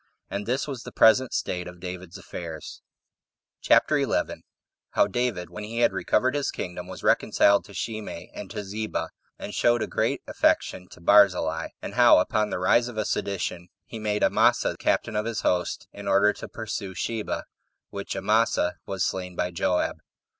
And this was the present state of David's affairs. CHAPTER 11. How David, When He Had Recovered His Kingdom, Was Reconciled To Shimei, And To Ziba; And Showed A Great Affection To Barzillai; And How, Upon The Rise Of A Sedition, He Made Amasa Captain Of His Host, In Order To Pursue Seba; Which Amasa Was Slain By Joab.